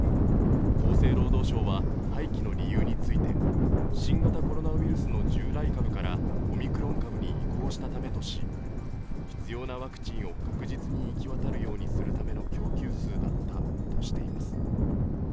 厚生労働省は廃棄の理由について新型コロナウイルスの従来株からオミクロン株に移行したためとし必要なワクチンを確実に行き渡るようにするための供給数だったとしています。